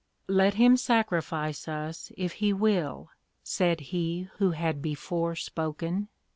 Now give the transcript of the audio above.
"Let him sacrifice us if He will," said he who had before spoken.